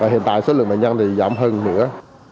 hiện tại số lượng bệnh nhân thì giảm hơn nữa